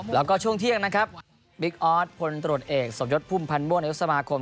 แล้วก็ช่วงเที่ยงนะครับบิ๊กออสพลตรวจเอกสมยศพุ่มพันธ์ม่วงนายกสมาคม